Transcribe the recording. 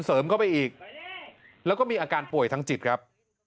เข้าไปอีกแล้วก็มีอาการป่วยทางจิตครับ